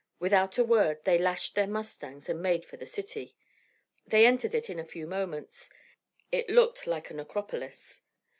Without a word they lashed their mustangs and made for the city. They entered it in a few moments. It looked like a necropolis.